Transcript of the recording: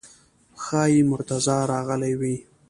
ښایي مرتضی راغلی وي.